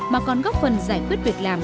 mà còn góp phần giải quyết việc làm